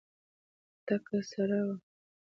تکه سره وه.